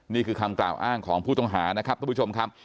นี่คือคำกล่าวอ้างของผู้ต้องหานะครับทุกผู้ชมครับ